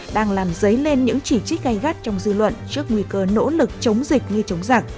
đang làm dấy lên những chỉ trích gây gắt trong dư luận trước nguy cơ nỗ lực chống dịch như chống giặc